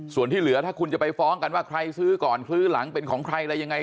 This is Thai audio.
ส่วนที่เหลือถ้าคุณจะไปฟ้องกันว่าใครซื้อก่อนซื้อหลังเป็นของใครอะไรยังไง